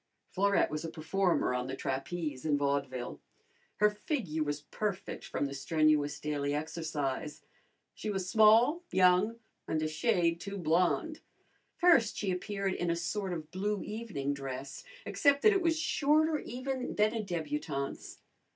Florette was a performer on the trapeze in vaudeville. Her figure was perfect from the strenuous daily exercise. She was small, young, and a shade too blonde. First she appeared in a sort of blue evening dress, except that it was shorter even than a d butante's.